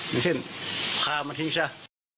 ไม่เช่นพามาทิ้งจ้า